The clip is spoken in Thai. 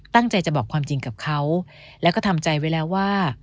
ตั้งใจจะบอกความจริงกับเขาแล้วก็ทำใจไว้แล้วว่า